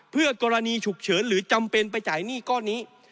เพื่อกรณีฉุกเฉินหรือจำเป็นไปจ่ายหนี้ก้อนนี้